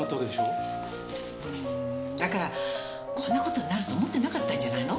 うんだからこんな事になると思ってなかったんじゃないの？